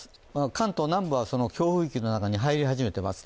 関東南部はその強風域の中に入り始めています。